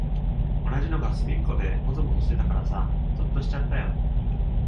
同じのがすみっこでもぞもぞしてたからさ、ぞっとしちゃったよ。